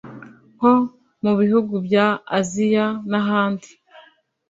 nko mu bihugu bya Aziya n’ahandi